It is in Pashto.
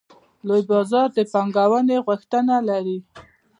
لوی بازار د پانګونې غوښتنه لري.